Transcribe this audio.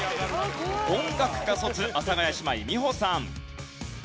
音楽科卒阿佐ヶ谷姉妹美穂さん。